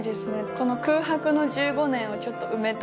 この空白の１５年をちょっと埋めたい。